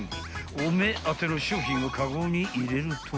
［お目当ての商品をカゴに入れると］